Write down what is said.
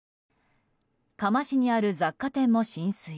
嘉麻市にある雑貨店も浸水。